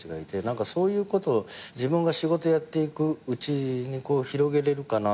何かそういうことを自分が仕事やっていくうちに広げれるかなと。